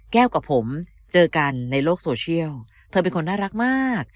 กับผมเจอกันในโลกโซเชียลเธอเป็นคนน่ารักมาก